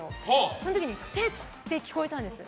その時にくせえって聞こえたんです。